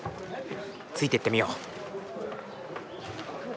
ついていってみよう。